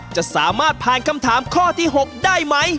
จะสามารถผ่านคำถามข้อที่๖ได้ไหม